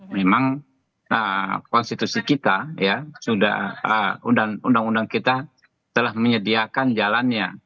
memang konstitusi kita ya sudah undang undang kita telah menyediakan jalannya